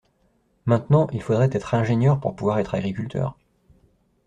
Maintenant, il faudrait être ingénieur pour pouvoir être agriculteur.